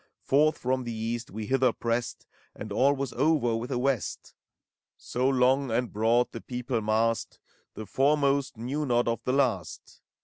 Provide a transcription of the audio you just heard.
Forth from the East we hither pressed, And all was over with the West: So long and broad the people massed, The foremost knew not of the last.